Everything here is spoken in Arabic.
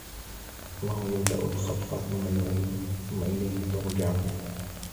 اللَّهُ يَبدَأُ الخَلقَ ثُمَّ يُعيدُهُ ثُمَّ إِلَيهِ تُرجَعونَ